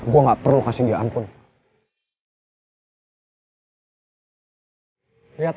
gue gak percaya lo